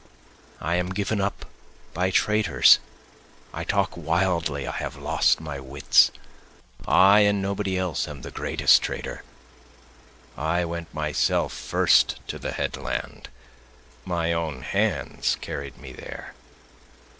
I am given up by traitors, I talk wildly, I have lost my wits, I and nobody else am the greatest traitor, I went myself first to the headland, my own hands carried me there.